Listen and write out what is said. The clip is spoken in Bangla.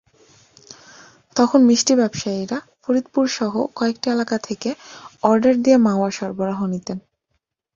তখন মিষ্টি ব্যবসায়ীরা ফরিদপুরসহ কয়েকটি এলাকা থেকে অর্ডার দিয়ে মাওয়ার সরবরাহ নিতেন।